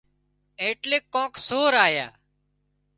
ايٽليڪ ڪانڪ سور آيا